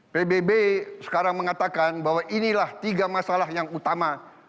pbb sekarang mengatakan bahwa inilah tiga masalah yang utama